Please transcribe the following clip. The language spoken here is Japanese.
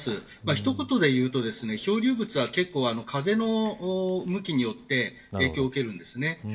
一言で言うと漂流物は結構、風の向きに影響を受けるんです。